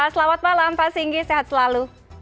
selamat malam pak singgi sehat selalu